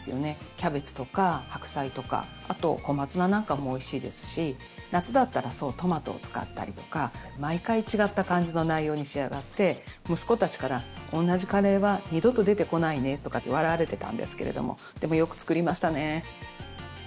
キャベツとか白菜とかあと小松菜なんかもおいしいですし夏だったらトマトを使ったりとか毎回違った感じの内容に仕上がって息子たちからおんなじカレーは二度と出てこないねとかって笑われてたんですけれどもでもよく作りましたね。